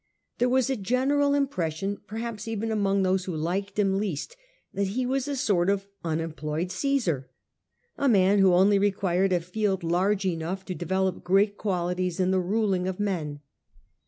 There was a general impression, perhaps even among those who liked him least, that he was a sort of ' unemployed Caesar,' a man who only required a field large enough to develop great qualities in the ruling of men.